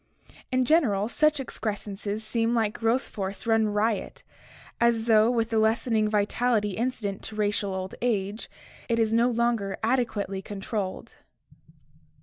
In general, such excrescences seem like growth force run riot, as though with the lessening vi tality incident to racial old age, it is no longer adequately con trolled.